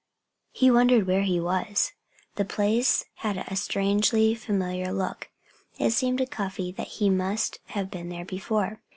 He wondered where he was. The place had a strangely familiar look. It seemed to Cuffy that he must have been there before.